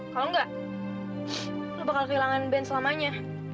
kalau enggak lo bakal kehilangan band selamanya